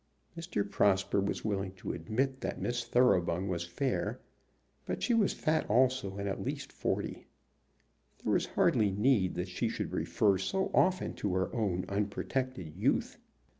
Mr. Prosper was willing to admit that Miss Thoroughbung was fair, but she was fat also, and at least forty. There was hardly need that she should refer so often to her own unprotected youth.